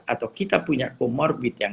kemudian dia akan famousin